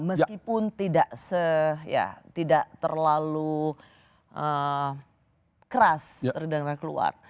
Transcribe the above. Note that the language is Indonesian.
meskipun tidak terlalu keras daripada keluar